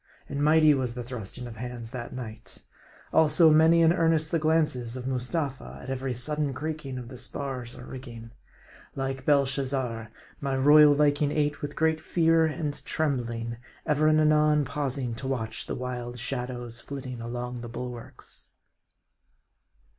And mighty was the thrusting of hands that night ; also, 82 M A R D I. many and earnest the glances of Mustapha at every sudden creaking of the spars or rigging. Like Belshazzar, my royal Viking ate with great fear and trembling ; ever and anon pausing to watch the wild shadows flitting along the bulwarks.